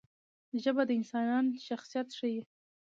ژبه د انسان شخصیت ښيي.